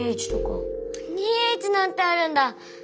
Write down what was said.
２Ｈなんてあるんだ！